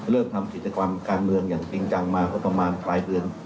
เริ่มทำกิจกรรมการเมืองอย่างจริงจังมาก็ประมาณปลายเดือน